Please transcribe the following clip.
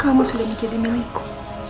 kamu sudah menjadi milikku